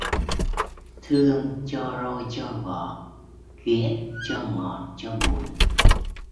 Thương cho roi cho vọt, ghét cho ngọt cho bùi